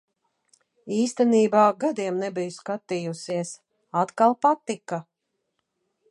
Īstenībā gadiem nebiju skatījusies. Atkal patika.